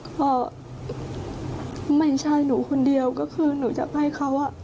ก็ไม่ใช่หนูคนเดียวก็คือหนูอยากให้เขา